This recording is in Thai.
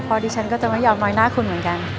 พอดิชันก็จะมาหยอดน้อยหน้าคุณเหมือนกัน